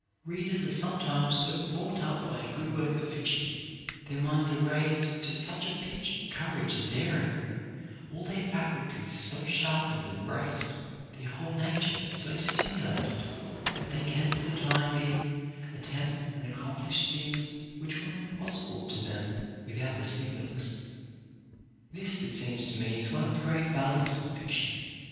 Readers are sometimes so wrought up by a good work of fiction, their minds are raised to such a pitch of courage and daring, all their faculties so sharpened and braced, their whole nature so stimulated, that they can for the time being attempt and accomplish things which were impossible to them without the stimulus. This, it seems to me, is one of the great values of fiction.